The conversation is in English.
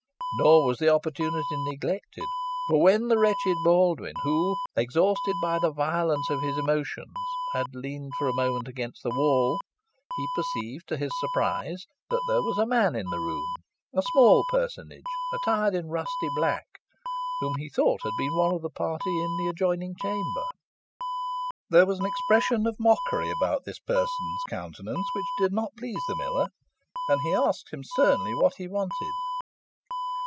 Nor was the opportunity neglected; for when the wretched Baldwyn, who, exhausted by the violence of his motions, had leaned for a moment against the wall, he perceived to his surprise that there was a man in the room a small personage attired in rusty black, whom he thought had been one of the party in the adjoining chamber. There was an expression of mockery about this person's countenance which did not please the miller, and he asked him, sternly, what he wanted.